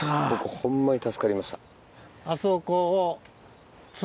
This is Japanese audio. ホンマに助かりました。